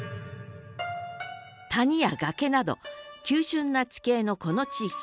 谷や崖など急峻な地形のこの地域。